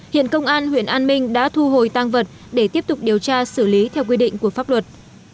hiện công an huyện an minh đã thu hồi tăng vật để tiếp tục điều tra xử lý theo quy định của pháp luật